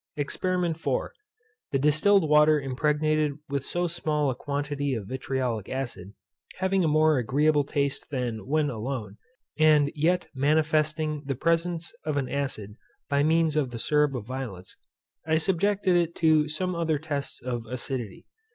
EXPERIMENT IV. The distilled water impregnated with so small a quantity of vitriolic acid, having a more agreeable taste than when alone, and yet manifesting the presence of an acid by means of the syrup of violets; I subjected it to some other tests of acidity.